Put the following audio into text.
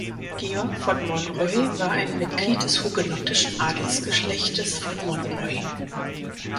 Georg von Monroy war ein Mitglied des hugenottischen Adelsgeschlechtes von Monroy.